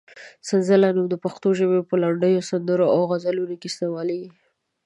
سنځله نوم د پښتو ژبې په لنډیو، سندرو او غزلونو کې استعمالېږي.